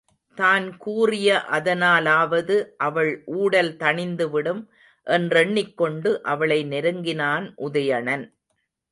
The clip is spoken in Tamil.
தான் கூறிய அதனாலாவது அவள் ஊடல் தணிந்துவிடும் என்றெண்ணிக் கொண்டு அவளை நெருங்கினான் உதயணன்.